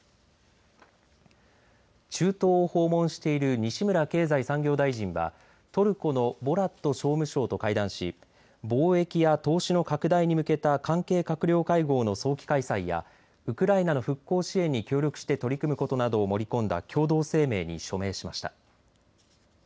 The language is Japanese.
中東を訪問している西村経済産業大臣はトルコのボラット商務相と会談し貿易や投資の拡大に向けた関係閣僚会合の早期開催やウクライナの復興支援に協力して取り組むことなど盛り込んだ共同声明に署名しました。